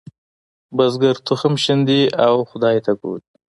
بزګر تخم شیندي او خدای ته ګوري.